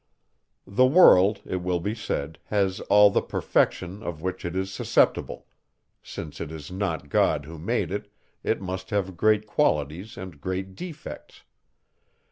The world, it will be said, has all the perfection, of which it is susceptible: since it is not God who made it, it must have great qualities and great defects.